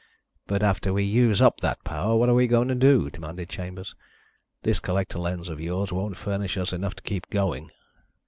"But after we use up that power, what are we going to do?" demanded Chambers. "This collector lens of yours won't furnish us enough to keep going."